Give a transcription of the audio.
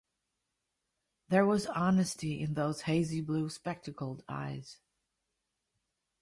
There was honesty in those hazy blue-spectacled eyes.